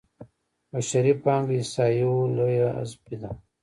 بشري پانګه احصایو لویه حذفي ده.